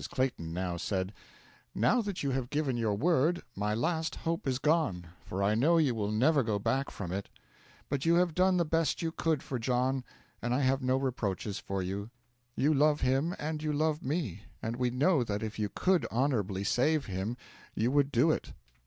Clayton now said: 'Now that you have given your word, my last hope is gone, for I know you will never go back from it. But you have done the best you could for John, and I have no reproaches for you. You love him, and you love me, and we know that if you could honourable save him, you would do it.